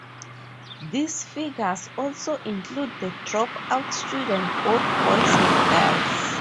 These figures also include the dropout students both boys and girls.